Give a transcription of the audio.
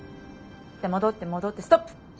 戻って戻ってストップ。